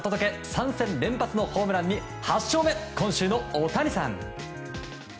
３戦連発のホームランに８勝目今週のオオタニさん！